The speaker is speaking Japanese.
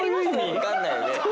わかんないよね。